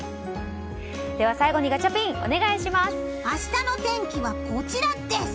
では最後にガチャピン明日の天気はこちらです！